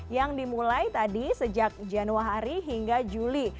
yang dimulai tadi sejak januari hingga juli